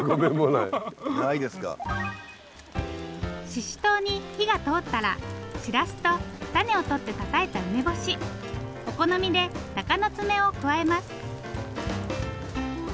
ししとうに火が通ったらしらすと種を取ってたたいた梅干しお好みでタカノツメを加えます。